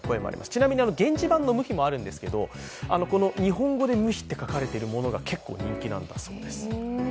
ちなみに、現地版のムヒもあるんですけど、日本語で「ムヒ」と書かれているのが結構、人気なんだそうです。